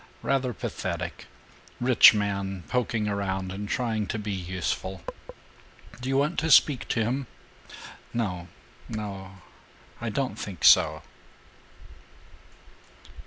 Rather pathetic: rich man poking around and trying to be useful. Do you want to speak to him?" "No no I don't think so."